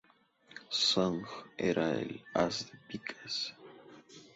Song, era el As de Picas.